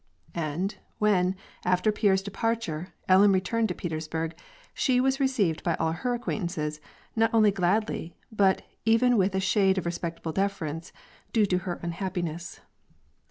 And, when after Pierre's departure, Ellen returned to Peters burg, she was received by all her acquaintances not only gladly but even with a shade of respectful deference, due to her un happiness.